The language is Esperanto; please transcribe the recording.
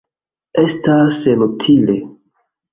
Estas senutile.